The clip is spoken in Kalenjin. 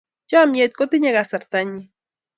Chomnyet kotinyei kasartanyi.